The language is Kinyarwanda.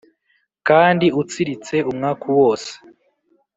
kandi utsiritse umwaku wose